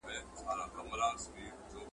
د ښو کارونو عادت جوړ کړئ.